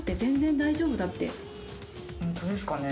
本当ですかね？